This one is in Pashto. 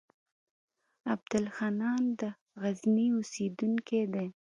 عبدالحنان د غزني اوسېدونکی دی.